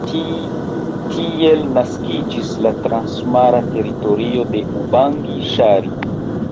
Tiel naskiĝis la Transmara Teritorio de Ubangi-Ŝari.